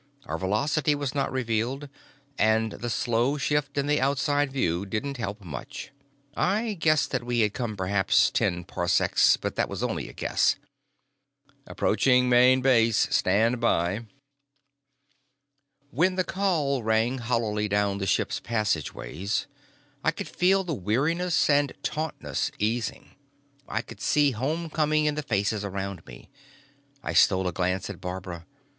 Our velocity was not revealed, and the slow shift in the outside view didn't help much. I guess that we had come perhaps ten parsecs, but that was only a guess. "Approaching Main Base. Stand by." When the call rang hollowly down the ship's passageways, I could feel the weariness and tautness easing, I could see homecoming in the faces around me. I stole a glance at Barbara.